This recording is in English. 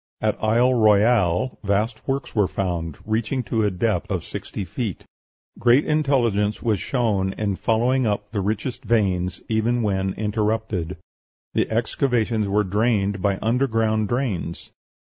At Isle Royale vast works were found, reaching to a depth of sixty feet; great intelligence was shown in following up the richest veins even when interrupted; the excavations were drained by underground drains.